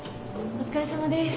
お疲れさまです。